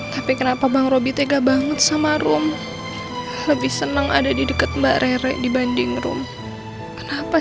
tapi kenapa bang roby tega banget sama room lebih senang ada di dekat mbak rere dibanding room kenapa